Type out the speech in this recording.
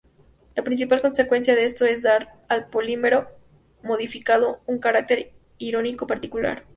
La principal consecuencia de esto es dar al polímero "modificado" un carácter iónico particular.